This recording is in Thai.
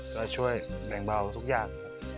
ก็ช่วยแบ่งเบาทุกอย่าง